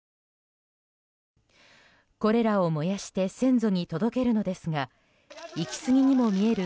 これらを燃やして先祖に届けるのですが行き過ぎにも見える